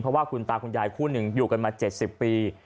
เพราะว่าคุณตาคุณยายคู่หนึ่งอยู่กันมา๗๐ปี